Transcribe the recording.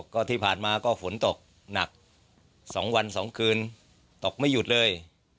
ก็ที่ผ่านมาก็ฝนตกหนัก๒วัน๒คืนตกไม่หยุดเลย